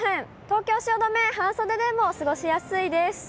東京・汐留、半袖でも過ごしやすいです。